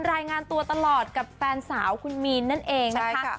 รายงานตัวตลอดกับแฟนสาวคุณมีนนั่นเองนะคะ